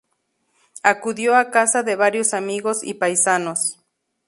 Acudió a casa de varios amigos y paisanos.